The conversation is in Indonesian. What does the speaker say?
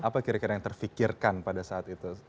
apa kira kira yang terfikirkan pada saat itu